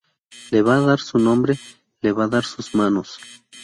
Le va a dar su nombre, le va a dar sus manos.